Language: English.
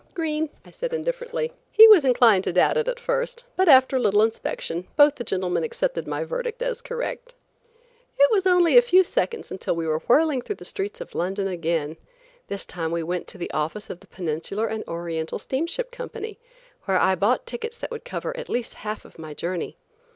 "Green," I said indifferently. He was inclined to doubt it at first, but after a little inspection, both the gentlemen accepted my verdict as correct. It was only a few seconds until we were whirling through the streets of London again. This time we went to the office of the Peninsular and Oriental Steamship Company, where I bought tickets that would cover at least half of my journey.